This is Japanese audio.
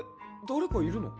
誰かいるの？